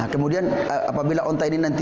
kemudian apabila onta ini nanti